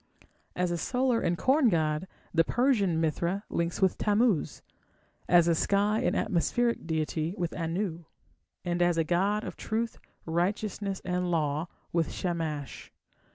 As a solar and corn god, the Persian Mithra links with Tammuz, as a sky and atmospheric deity with Anu, and as a god of truth, righteousness, and law with Shamash.